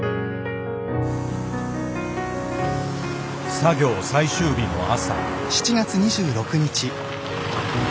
作業最終日の朝。